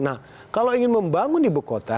nah kalau ingin membangun di buku kota